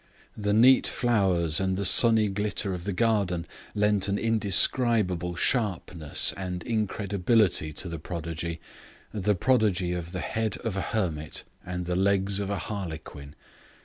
The neat flowers and the sunny glitter of the garden lent an indescribable sharpness and incredibility to the prodigy the prodigy of the head of a hermit and the legs of a harlequin.